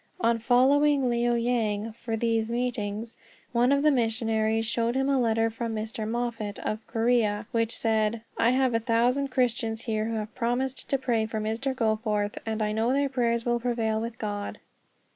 On reaching Liao Yang for these meetings, one of the missionaries showed him a letter from Mr. Moffat, of Korea, which said: "I have a thousand Christians here who have promised to pray for Mr. Goforth, and I know their prayers will prevail with God."